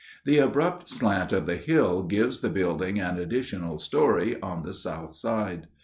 The abrupt slant of the hill gives the building an additional story on the south side.